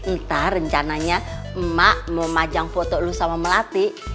ntar rencananya mak mau majang foto lu sama melati